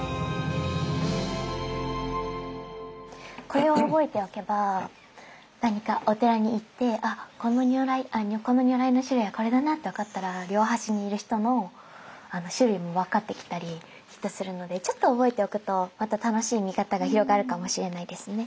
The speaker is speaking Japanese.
これを覚えておけば何かお寺に行ってこの如来の種類はこれだなって分かったら両端にいる人の種類も分かってきたりするのでちょっと覚えておくとまた楽しい見方が広がるかもしれないですね。